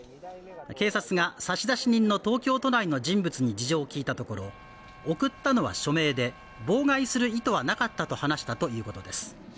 警察が差出人の東京都内の人物に事情を聞いたところ、送ったのは署名で妨害する意図はなかったと話したということです。